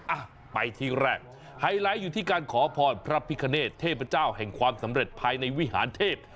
อ่ะไปที่แรกไฮไลท์อยู่ที่การขอพรพระพิคเนตเทพเจ้าแห่งความสำเร็จภายในวิหารเทพ